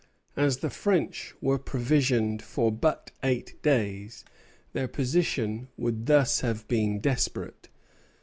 As the French were provisioned for but eight days, their position would thus have been desperate.